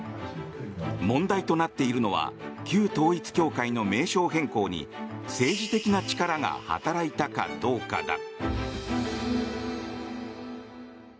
問題となっているのは旧統一教会の名称変更に政治的な力が働いたかどうかだ。